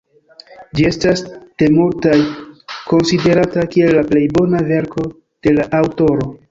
Ĝi estas de multaj konsiderata kiel la plej bona verko de la aŭtoro.